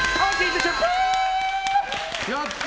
やった！